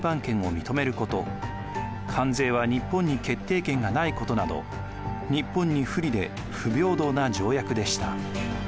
関税は日本に決定権がないことなど日本に不利で不平等な条約でした。